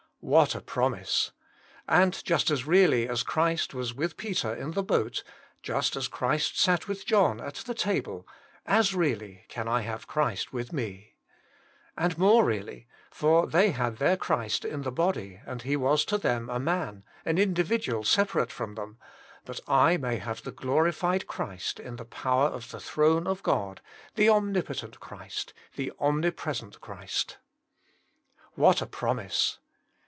What a promise! And just as really as Christ was with Peter in the boat, ]ust as Christ sat with John at the table, as really can I have Christ with me. And more really, for they had their Christ in the body and He was to them a man, an individual separate from them, but I may have glorified Christ in the power of the throne of God, the omnipotent Christ, the omni present Christ. What a promise